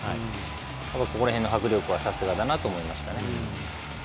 この辺の迫力はさすがだなと思いました。